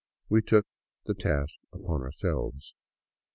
We took the task upon ourselves.